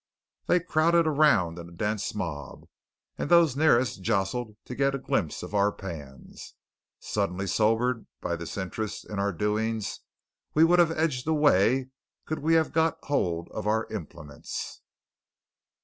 They crowded around in a dense mob, and those nearest jostled to get a glimpse of our pans. Suddenly sobered by this interest in our doings, we would have edged away could we have got hold of our implements.